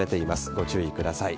ご注意ください。